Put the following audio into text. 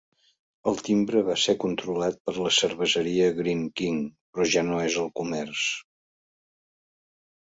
El timbre va ser controlat per la cerveseria Greene King, però ja no és el comerç.